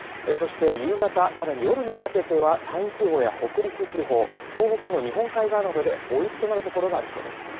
そして夕方さらに夜にかけては山陰地方や北陸地方東北の日本海側などで大雪となる所がありそうです